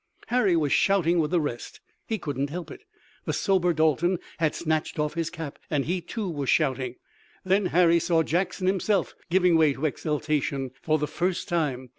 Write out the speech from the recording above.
Harry was shouting with the rest. He couldn't help it. The sober Dalton had snatched off his cap, and he, too, was shouting. Then Harry saw Jackson himself giving way to exultation, for the first time.